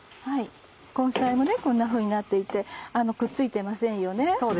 根菜もこんなふうになっていてくっついてませんよね。